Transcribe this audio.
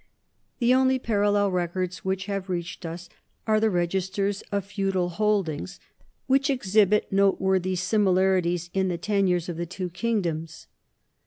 The only parallel records which have reached us are the registers of feudal holdings, which exhibit noteworthy similarities in the tenures of the two kingdoms.